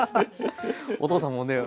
お父さんもね